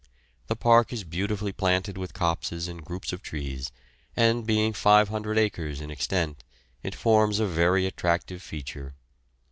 The park is beautifully planted with copses and groups of trees, and being 500 acres in extent, it forms a very attractive feature.